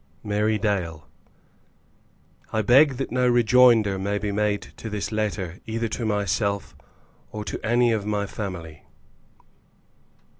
MARY DALE. I beg that no rejoinder may be made to this letter, either to myself or to any of my family.